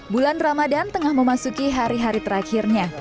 bulan ramadan tengah memasuki hari hari terakhirnya